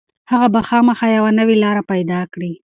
هغه به خامخا یوه نوې لاره پيدا کړي.